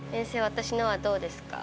私のはどうですか？